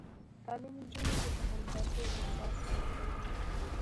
تعلیم نجونو ته د همدردۍ احساس ورکوي.